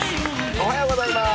おはようございます。